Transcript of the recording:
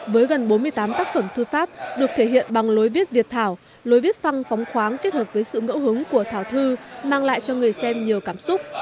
với gần bốn mươi tám tác phẩm thư pháp được thể hiện bằng lối viết việt thảo lối viết phăng phóng khoáng kết hợp với sự ngẫu hứng của thảo thư mang lại cho người xem nhiều cảm xúc